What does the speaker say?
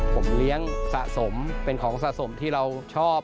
ผมเลี้ยงสะสมเป็นของสะสมที่เราชอบ